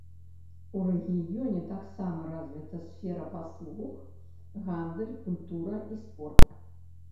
У рэгіёне таксама развіта сфера паслуг, гандаль, культура і спорт.